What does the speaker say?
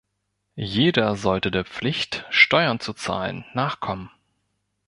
Jeder sollte der Pflicht, Steuern zu zahlen, nachkommen.